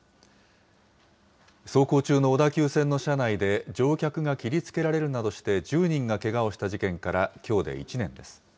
走行中の小田急線の車内で乗客が切りつけられるなどして１０人がけがをした事件から、きょうで１年です。